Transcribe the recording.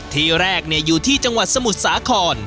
ที่แรกอยู่ที่จังหวัดสมุทรสาคร